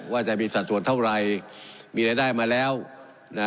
ว่าจะมีสัดส่วนเท่าไรมีรายได้มาแล้วนะ